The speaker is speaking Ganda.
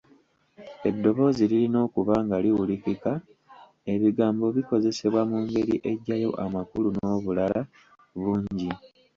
Eddoboozi lirina okuba nga liwulirikika, ebigambo bikozesebwa mu ngeri eggyayo amakulu n’obulala bungi.